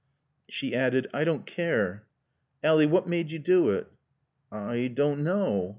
She added, "I don't care." "Ally what made you do it?" "I don't know."